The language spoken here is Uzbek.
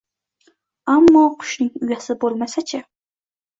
Ammo qushning uyasi bo`lmasa-chi